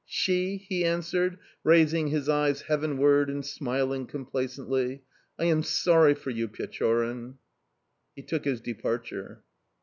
"She?" he answered, raising his eyes heavenward and smiling complacently. "I am sorry for you, Pechorin!"... He took his departure.